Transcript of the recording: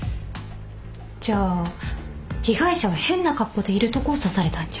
じゃあ被害者は変な格好でいるとこを刺されたんじゃ？